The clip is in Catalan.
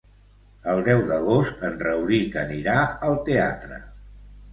El deu d'agost en Rauric anirà al teatre.